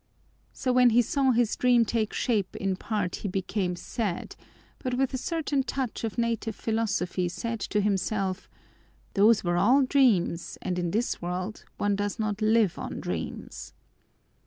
So when he saw his dream take shape in part he became sad, but with a certain touch of native philosophy said to himself, "Those were all dreams and in this world one does not live on dreams!"